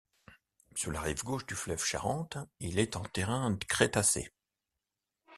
Sur la rive gauche du fleuve Charente, il est en terrain crétacé.